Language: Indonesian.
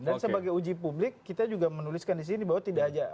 dan sebagai uji publik kita juga menuliskan di sini bahwa tidak saja